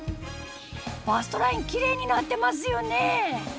バストラインキレイになってますよね